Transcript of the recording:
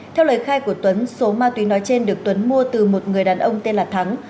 theo lời khai của tuấn số ma túy nói trên được tuấn mua từ một người đàn ông tên là thắng